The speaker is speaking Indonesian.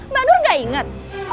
mbak nur gak inget